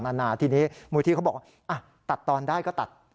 ดีแต่ละที่นี่มูลทีเขาบอกตัดตอนได้ก็ตัด